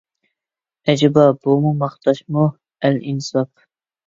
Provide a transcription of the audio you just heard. ئەجەبا بۇمۇ ماختاشمۇ، ئەلئىنساپ!!!